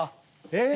えっ？